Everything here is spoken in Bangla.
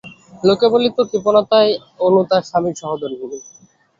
লোকে বলিত, কৃপণতায় অনু তার স্বামীর সহধর্মিণী।